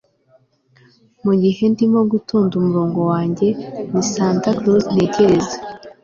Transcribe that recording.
mugihe ndimo gutonda umurongo wanjye, ni santa claus ntekereza